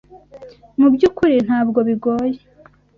Mu byukuri ntabwo bigoye.